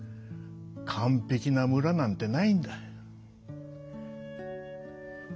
完ぺきな村なんてないんだ。